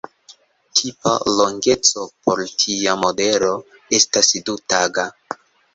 Tipa longeco por tia modelo estas du-taga.